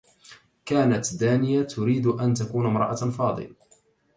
كانت دانية تريد أن تكون امرأة فاضل.